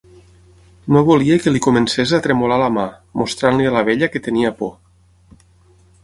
No volia que li comences a tremolar la mà, mostrant-li a la vella que tenia por.